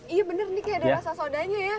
iya bener nih kayaknya ada rasa sodanya ya